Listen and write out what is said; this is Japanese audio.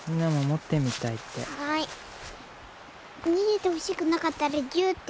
逃げてほしくなかったらギューッて。